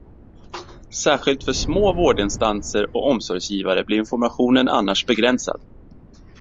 Särskilt för små vårdinstanser och omsorgsgivare blir informationen annars begränsad.